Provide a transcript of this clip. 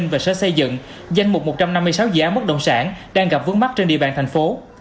và sở xây dựng danh mục một trăm năm mươi sáu dự án mất động sản đang gặp vướng mắt trên địa bàn tp hcm